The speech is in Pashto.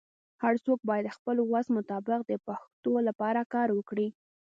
هرڅوک باید د خپل وس مطابق د پښتو لپاره کار وکړي.